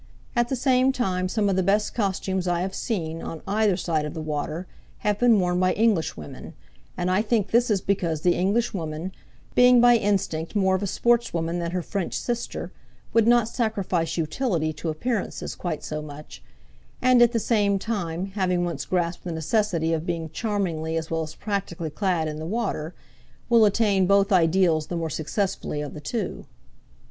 At the same time some of the best costumes I have seen, on either side of the water, have been worn by Englishwomen; and I think this is because the Englishwoman, being by instinct more of a sportswoman than her French sister, would not sacrifice utility to appearances quite so much, and at the same time, having once grasped the necessity of being charmingly as well as practically clad in the water, will attain both ideals the more successfully of the two.